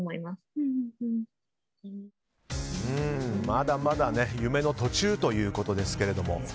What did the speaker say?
まだまだ夢の途中ということですけれども。